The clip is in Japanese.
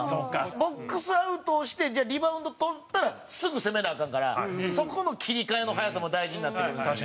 ボックスアウトをしてリバウンドを取ったらすぐ攻めなアカンからそこの切り替えの速さも大事になってくるんですよね。